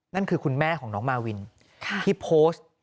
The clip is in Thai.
นั่นคือคุณแม่ของน้องมาวินที่โพสต์